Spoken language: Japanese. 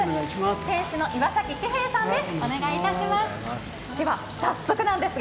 店主の岩崎喜平さんです。